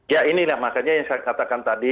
ya ini lah makanya yang saya katakan tadi